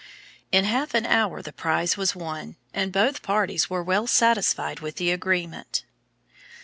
In half an hour the prize was won, and both parties were well satisfied with the agreement.